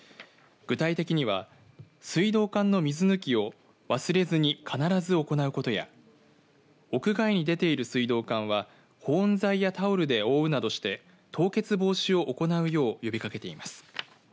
具体的には水道管の水抜きを忘れずに必ず行うことや屋外に出ている水道管は保温材やタオルで覆うなどして凍結防止を行うよう呼びかけています。